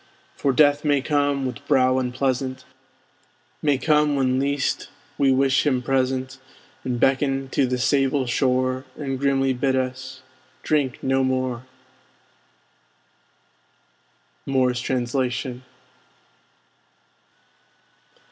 For Death may come, with brow unpleasant, May come when least we wish him present, And beckon to the sable shore, And grimly bid us drink no more! Moore's Translation.